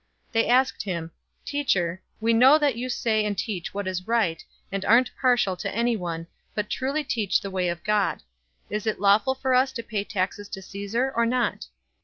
020:021 They asked him, "Teacher, we know that you say and teach what is right, and aren't partial to anyone, but truly teach the way of God. 020:022 Is it lawful for us to pay taxes to Caesar, or not?"